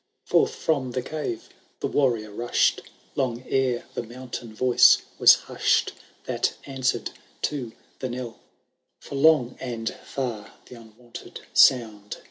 Forth from tHe care the Warrior rushed . Long ere the mountain voice^ was hushed, That answered to the knell ; For long and &r the unwonted sound.